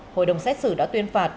hội đồng xét xử đã tuyên phạt